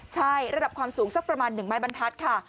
ใช่ระดับความสูงสักประมาณ๑ไม้บรรทัศน์ค่ะ